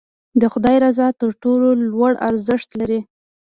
د خدای رضا تر ټولو لوړ ارزښت لري.